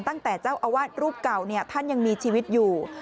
ตั้งแต่เจ้าอาวาสรูปเก่าท่านยังมีชีวิตอยู่